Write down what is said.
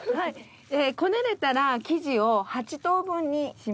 こねられたら生地を８等分にします。